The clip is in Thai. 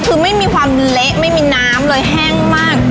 คือไม่มีความเละไม่มีน้ำเลยแห้งมาก